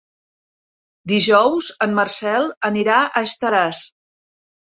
Dijous en Marcel anirà a Estaràs.